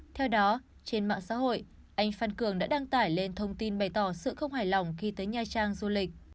theo đó trên mạng xã hội anh phan cường đã đăng tải lên thông tin bày tỏ sự không hài lòng khi tới nha trang du lịch